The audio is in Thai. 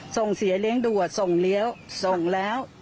ส่งเสียเลี้ยงดูส่งเลี้ยวส่งแล้ว